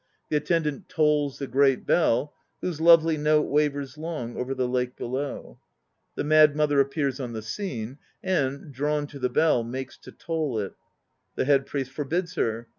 The attendant tolls the great bell, whose lovely note wavers long over the lake below. The mad mother appears on the scene, and, drawn to the bell, makes to toll it. The head priest forbids her.